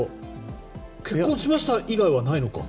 結婚しました以外はないのか。